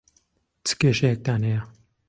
چ کێشەیەکتان هەیە؟